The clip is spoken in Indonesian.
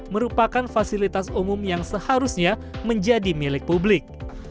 merupakan fasilitas umum yang seharusnya menjadi milik publik